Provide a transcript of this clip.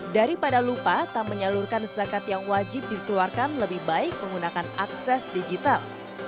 daripada lupa tak menyalurkan zakat yang wajib dikeluarkan lebih baik menggunakan akses digital